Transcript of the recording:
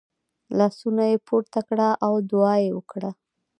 لاسونه یې پورته کړه او دعا یې وکړه .